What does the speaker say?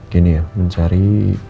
gini ya mencari